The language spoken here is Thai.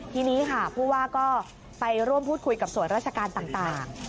ทีนี้ค่ะผู้ว่าก็ไปร่วมพูดคุยกับส่วนราชการต่าง